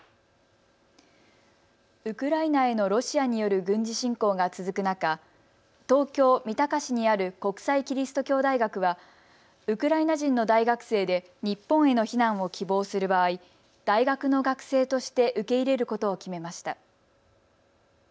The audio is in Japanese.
ウクライナへのロシアによる軍事侵攻が続く中、東京三鷹市にある国際基督教大学はウクライナ人の大学生で日本への避難を希望する場合、大学の学生として受け入れることを決めました。